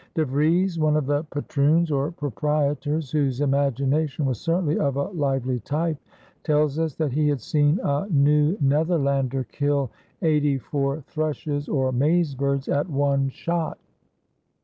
De Vries, one of the patroons, or proprietors, whose imagination was certainly of a lively type, tells us that he had seen a New Netherlander kill eighty four thrushes or maize birds at one shot.